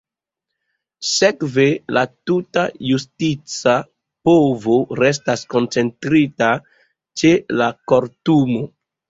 Sekve la tuta justica povo restas koncentrita ĉe la Kortumo.